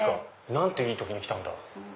何ていい時に来たんだ。